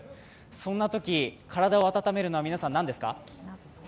そんなとき、体を温めるのは皆さん、何ですか？